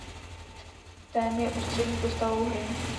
Ten je ústřední postavou hry.